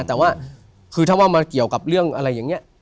แต่ว่าคือถ้าว่ามาเกี่ยวกับเรื่องอะไรอย่างนี้